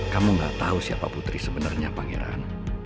kamu gak tau siapa putri sebenernya pangeran